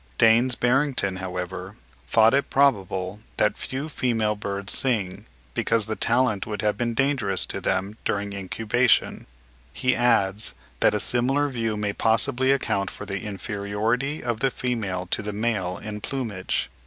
(7. Daines Barrington, however, thought it probable ('Philosophical Transactions,' 1773, p. 164) that few female birds sing, because the talent would have been dangerous to them during incubation. He adds, that a similar view may possibly account for the inferiority of the female to the male in plumage.)